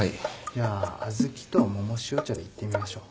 じゃあ小豆と百塩茶でいってみましょう。